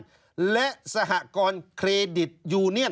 ชีวิตกระมวลวิสิทธิ์สุภาณฑ์